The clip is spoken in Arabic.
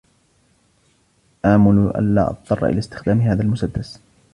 آمُل ألا أضطر إلى استخدام هذا المسدس.